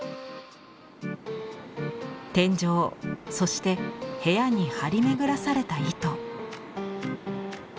天井そして部屋に張り巡らされた糸。